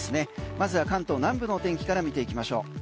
まずは関東南部の天気から見ていきましょう。